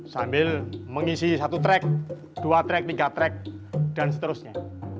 sambil mengisi satu track dua track tiga track dan seterusnya